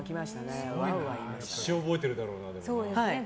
一生覚えてるだろうな。